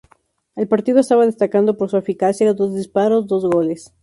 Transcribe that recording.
El partido estaba destacando por su eficacia: dos disparos, dos goles.